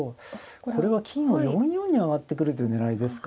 これは金を４四に上がってくるという狙いですか。